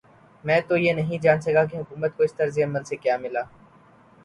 میں تو یہ نہیں جان سکا کہ حکومت کو اس طرز عمل سے کیا ملا؟